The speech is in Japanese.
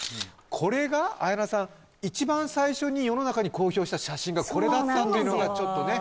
これが綾菜さん一番最初に世の中に公表した写真がこれだったというのがちょっとね